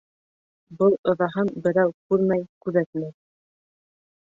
Был ыҙаһын берәү күрмәй-күҙәтмәй.